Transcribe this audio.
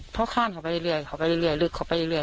เพราะท่านเข้าไปเรื่อยลึกเข้าไปเรื่อย